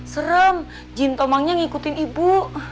serem jin tomangnya ngikutin ibu